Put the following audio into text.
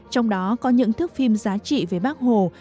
trong đó có những thước phim giá trị về bác hồ